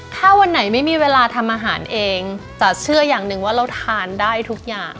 ถ้าวันไหนไม่มีเวลาทำอาหารเองจะเชื่ออย่างหนึ่งว่าเราทานได้ทุกอย่าง